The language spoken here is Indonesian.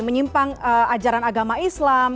menyimpang ajaran agama islam